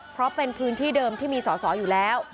เพราะเป็นพื้นที่เดิมที่มีสอสออยู่แล้ว